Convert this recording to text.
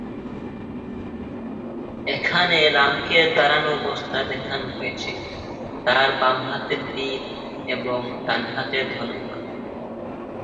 এখানে রামকে দাঁড়ানো অবস্থায় দেখানো হয়েছে, তার বাম হাতে তীর এবং ডান হাতে ধনুক।